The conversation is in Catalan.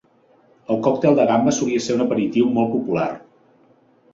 El còctel de gambes solia ser un aperitiu molt popular.